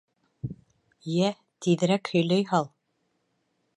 — Йә, тиҙерәк һөйләй һал!